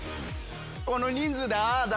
この人数でああだ